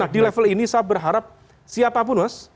di level ini saya berharap siapapun mas